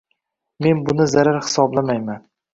Men buni zarar hisoblamayman